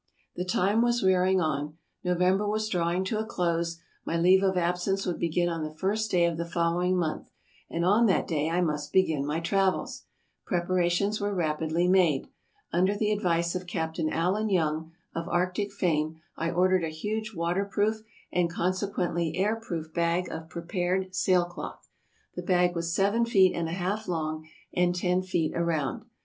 The time was wearing on, November was drawing to a close, my leave of absence would begin on the first of the following month, and on that day I must begin my travels. Preparations were rapidly made. Under the ad vice of Captain Allen Young, of Arctic fame, I ordered a huge water proof and, consequently, air proof, bag of pre pared sail cloth. The bag was seven feet and a half long and ten feet around.